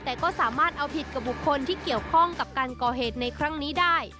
แต่ก็สามารถเอาผิดกับบุคคลที่เกี่ยวข้องกับการก่อเหตุในครั้งนี้ได้